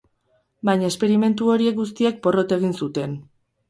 Baina esperimentu horiek guztiek porrot egin zuten.